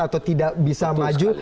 atau tidak bisa maju